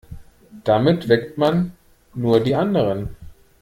Damit weckt man nur die anderen.